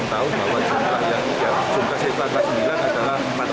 jumlah siswa kelas sembilan adalah empat ratus lima